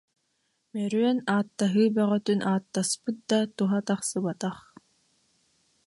Мөрүөн ааттаһыы бөҕөтүн ааттаспыт да, туһа тахсыбатах